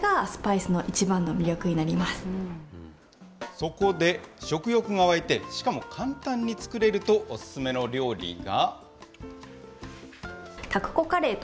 そこで食欲が湧いて、しかも簡単に作れるとお勧めの料理が。